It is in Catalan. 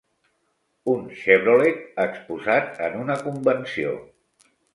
Un Chevrolet exposat en una convenció.